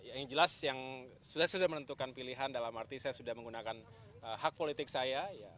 yang jelas yang sudah sudah menentukan pilihan dalam arti saya sudah menggunakan hak politik saya